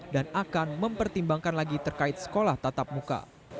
dan akan mempertimbangkan lagi terkait sekolah tatap muka